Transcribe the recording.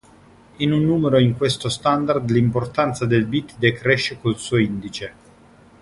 In un numero in questo standard, l'importanza del bit decresce col suo indice.